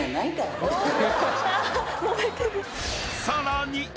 ［さらに］